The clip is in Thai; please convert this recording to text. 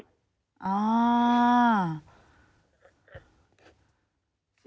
อ่า